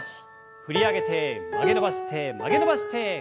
振り上げて曲げ伸ばして曲げ伸ばして振り下ろす。